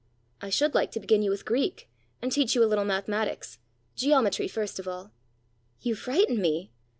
"I should like to begin you with Greek, and teach you a little mathematics geometry first of all." "You frighten me!"